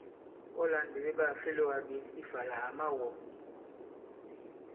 Wɔ lā ndì ɓe ɓaà fe lōgā ɓěs ifà àlà à ma-wɔ̃!